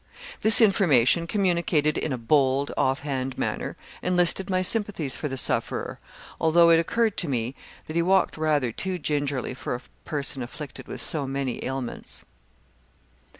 "This information, communicated in a bold, off hand manner, enlisted my sympathies for the sufferer, although it occurred to me that he walked rather too gingerly for a person afflicted with so many ailments."